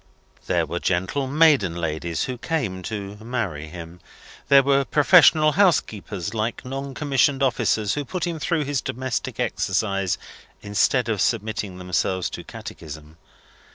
There were gentle maiden ladies who came to marry him. There were professional housekeepers, like non commissioned officers, who put him through his domestic exercise, instead of submitting themselves to catechism.